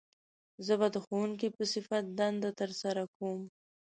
زه به د ښوونکي په صفت دنده تر سره کووم